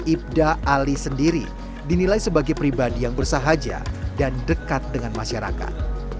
ibda ali sendiri dinilai sebagai pribadi yang bersahaja dan dekat dengan masyarakat